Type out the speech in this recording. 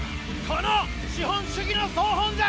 この資本主義の総本山